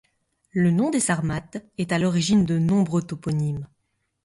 Le nom des Sarmates est à l'origine de nombreux toponymes.